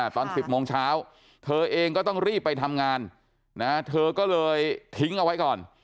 ตอน๑๐โมงเช้าเธอเองก็ต้องรีบไปทำงานเธอก็เลยทิ้งเอาไว้ก่อน